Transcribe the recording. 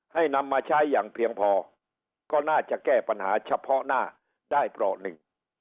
นำมาใช้อย่างเพียงพอก็น่าจะแก้ปัญหาเฉพาะหน้าได้เปราะหนึ่ง